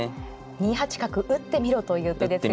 ２八角打ってみろという手ですよね。